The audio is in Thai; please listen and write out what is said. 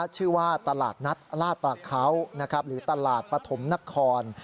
ชื่อว่าตลาดนัดลาดปลาเขาหรือตลาดปฐมนคร